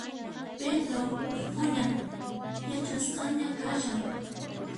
Pedroq mikhunan chayasqaña kashan.